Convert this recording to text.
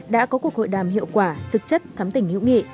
đã có cuộc hội đàm hiệu quả thực chất thắm tỉnh hữu nghị